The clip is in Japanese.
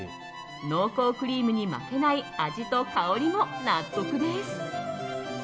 濃厚クリームに負けない味と香りも納得です。